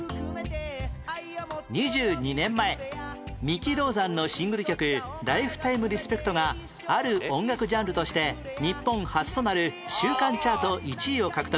２２年前三木道三のシングル曲『ＬｉｆｅｔｉｍｅＲｅｓｐｅｃｔ』がある音楽ジャンルとして日本初となる週間チャート１位を獲得